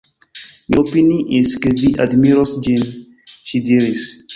Mi opiniis ke vi admiros ĝin, ŝi diris.